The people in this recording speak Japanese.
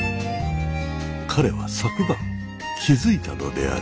彼は昨晩気付いたのである。